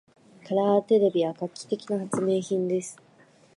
カラーテレビは画期的な発明品です。